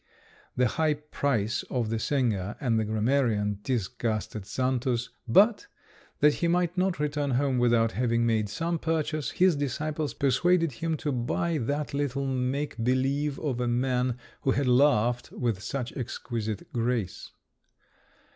The high price of the singer and the grammarian disgusted Xantus, but, that he might not return home without having made some purchase, his disciples persuaded him to buy that little make believe of a man who had laughed with such exquisite grace.